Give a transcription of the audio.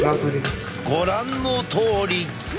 ご覧のとおり。